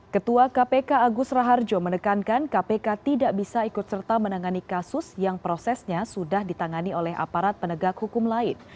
ketua kpk agus raharjo menekankan kpk tidak bisa ikut serta menangani kasus yang prosesnya sudah ditangani oleh aparat penegak hukum lain